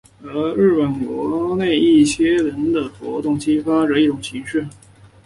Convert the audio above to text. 而日本国内一些人的活动也激发着这种情绪。